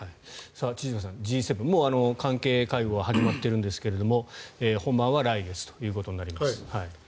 千々岩さん、Ｇ７もう関係会合は始まっていますが本番は来月ということになります。